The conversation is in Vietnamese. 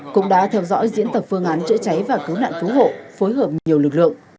cũng đã theo dõi diễn tập phương án chữa cháy và cứu nạn cứu hộ phối hợp nhiều lực lượng